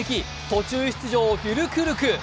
途中出場フュルクルク。